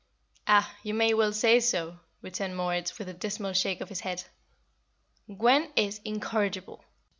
"Ah, you may well say so," returned Moritz, with a dismal shake of his head. "Gwen is incorrigible.